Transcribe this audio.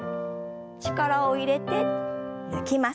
力を入れて抜きます。